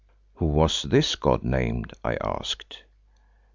"How was this god named?" I asked.